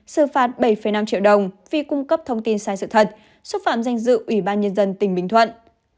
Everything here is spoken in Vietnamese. xử phạt bảy năm triệu đồng vì cung cấp thông tin sai sự thật xúc phạm danh dự ủy ban nhân dân tỉnh bình thuận